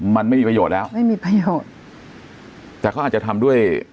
มันไม่มีประโยชน์แล้วไม่มีประโยชน์แต่เขาอาจจะทำด้วย